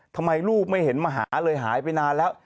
ทำไมลูกไม่เห็นมาหาเลยหายไปนานแล้ว